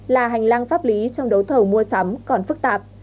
là hành lang pháp lý trong đấu thầu mua sắm còn phức tạp